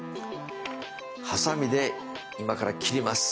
はさみで今から切ります。